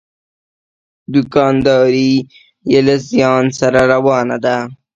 دوکانداري یې له زیان سره روانه ده.